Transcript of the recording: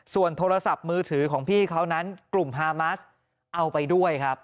ส่วนโทรศัพท์มือถือของพี่เขานั้นกลุ่มฮามัสเอาไปด้วยครับ